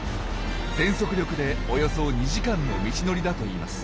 全速力でおよそ２時間の道のりだといいます。